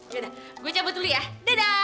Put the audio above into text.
ya udah gue cabut dulu ya dadah